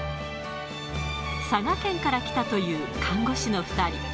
佐賀県から来たという看護師の２人。